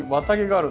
ある。